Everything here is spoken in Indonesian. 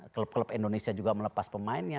klub klub indonesia juga melepas pemainnya